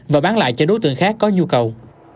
và bán lại cho đối tượng khác có nhu cầu